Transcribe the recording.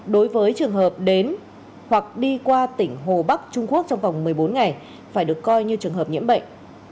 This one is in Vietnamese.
đối với trường hợp đến hoặc đi qua tỉnh hồ bắc trung quốc trong vòng một mươi bốn ngày phải được coi như trường hợp nhiễm bệnh